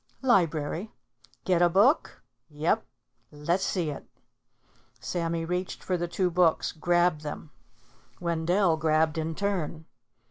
"Library." "Get a book?" "Yep." "Lessee it." Sammy reached for the two books, grabbed them. Wendell grabbed in turn.